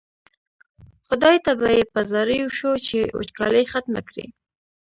خدای ته به یې په زاریو شو چې وچکالي ختمه کړي.